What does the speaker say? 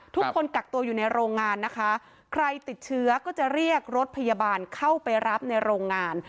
ทุกคนกักตัวอยู่ในโรงงานนะคะใครติดเชื้อก็จะเรียกรถพยาบาลเข้าไปรับในโรงงาน